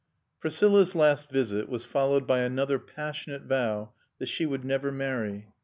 V Priscilla's last visit was followed by another passionate vow that she would never marry.